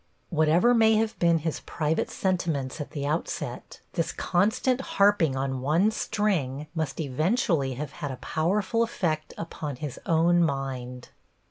Whatever may have been his private sentiments at the outset, this constant harping on one string must eventually have had a powerful effect upon his own mind.